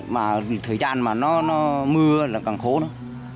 mà thời gian mà nó mưa là càng khó đó